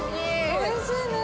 おいしいね。